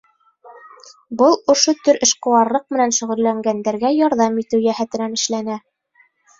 Был ошо төр эшҡыуарлыҡ менән шөғөлләнгәндәргә ярҙам итеү йәһәтенән эшләнә.